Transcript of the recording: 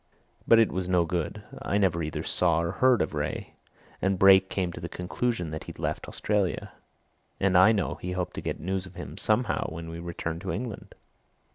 But it was no good I never either saw or heard of Wraye and Brake came to the conclusion he'd left Australia. And I know he hoped to get news of him, somehow, when we returned to England."